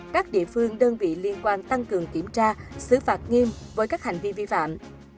các địa phương đơn vị liên quan tăng cường kiểm tra xứ phạt nghiêm với các hành vi vi phạm